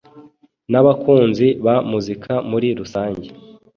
n’abakunzi ba muzika muri rusange.